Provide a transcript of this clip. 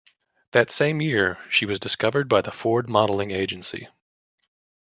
That same year, she was discovered by the Ford modeling agency.